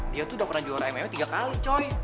dia itu sudah pernah juara mma tiga kali